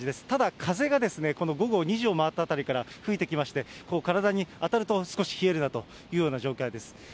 ただ風がこの午後２時を回ったあたりから吹いてきまして、体に当たると少し冷えるなというような状況です。